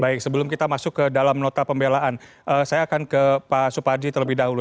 baik sebelum kita masuk ke dalam nota pembelaan saya akan ke pak suparji terlebih dahulu